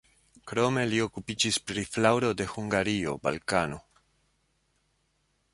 Krome li okupiĝis pri flaŭro de Hungario, Balkano.